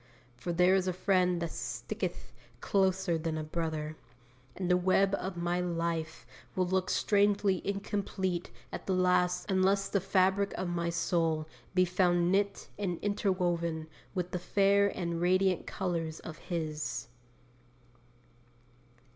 For 'there is a Friend that sticketh closer than a brother,' and the web of my life will look strangely incomplete at the last unless the fabric of my soul be found knit and interwoven with the fair and radiant colours of His.